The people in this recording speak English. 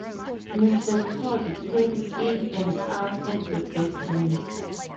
Mr Tod came in and out of the bedroom.